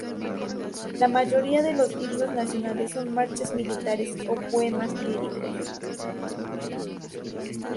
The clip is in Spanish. La mayoría de los himnos nacionales son marchas militares o poemas líricos.